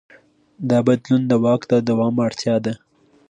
دا بدلون د واک د دوام اړتیا ده.